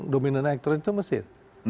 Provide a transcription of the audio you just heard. dominan aktor itu mesir